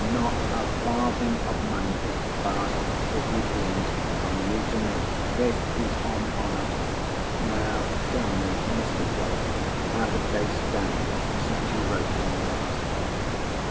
Not a farthing of money is to pass, if you please, from you to me. This is on honour. Now tell me, Mr. Blake, how the case stands since you wrote to me last."